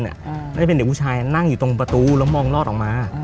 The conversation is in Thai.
น่าจะเป็นเด็กผู้ชายนั่งอยู่ตรงประตูแล้วมองรอดออกมา